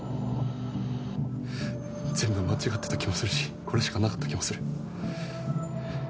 全部間違ってた気もするしこれしかなかった気もする。